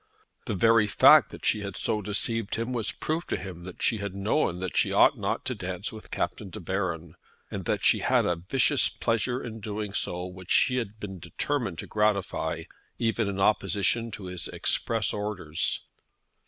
The very fact that she had so deceived him was proof to him that she had known that she ought not to dance with Captain De Baron, and that she had a vicious pleasure in doing so which she had been determined to gratify even in opposition to his express orders.